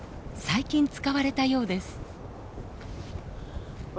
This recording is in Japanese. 最近使われたようです。